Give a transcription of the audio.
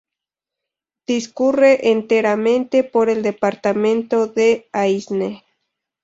Discurre enteramente por el departamento de Aisne.